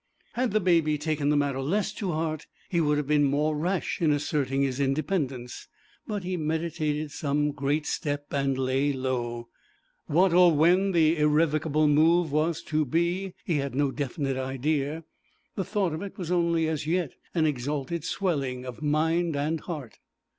Had the Baby taken the matter less to heart he would have been more rash in asserting his independence, but he meditated some great step and 'lay low.' What or when the irrevocable move was to be he had no definite idea, the thought of it was only as yet an exalted swelling of mind and heart.